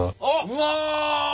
うわ！？